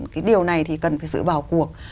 cái điều này thì cần phải sự vào cuộc